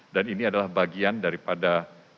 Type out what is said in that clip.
dan ini adalah bagian daripada